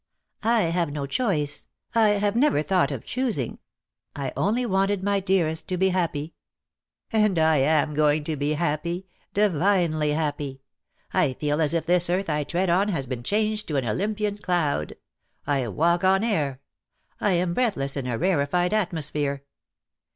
"I have no choice. I have never thought of choosing. I only wanted my dearest to be happy." "And I am going to be happy, divinely happy. I feel as if this earth I tread on had been changed to an Olympian cloud. I walk on air! I am breathless in a rarefied atmosphere.